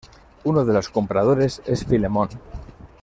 Uno de los compradores es Filemón.